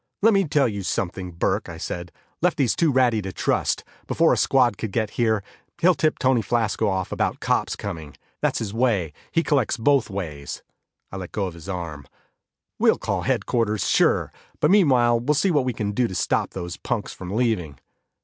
"Let me tell you something, Burke," I said, "Lefty is too ratty to trust. Before a squad could get here, he'll tip Tony Flasco off about cops coming. That's his way; he collects both ways." I let go his arm. "We'll call headquarters, sure, but meanwhile we'll see what we can do to stop those punks from leaving."